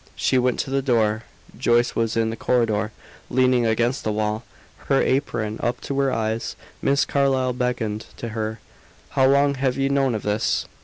She went to the door. Joyce was in the corridor, leaning against the wall, her apron up to her eyes. Miss Carlyle beckoned to her. "How long have you known of this?"